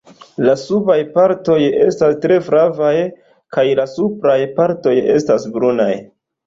La subaj partoj estas tre flavaj kaj la supraj partoj estas brunaj.